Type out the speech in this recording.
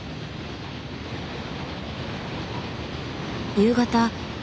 夕方。